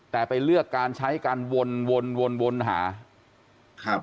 แต่ไปเลือกการใช้การวนวนวนหา